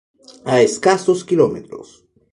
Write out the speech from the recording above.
A escasos Km.